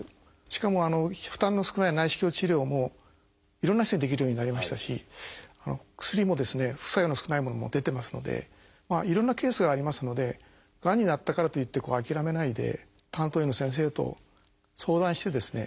しかも負担の少ない内視鏡治療もいろんな人にできるようになりましたし薬も副作用の少ないものも出てますのでいろんなケースがありますのでがんになったからといって諦めないで担当医の先生と相談してですね